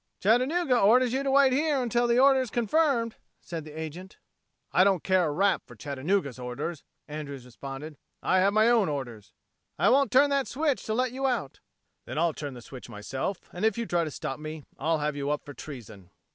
"Chattanooga orders you to wait here until the order is confirmed," said the agent. "I don't care a rap for Chattanooga's orders," Andrews responded. "I have my own orders." "I won't turn that switch to let you out." "Then I'll turn the switch myself, and if you try to stop me I'll have you up for treason!"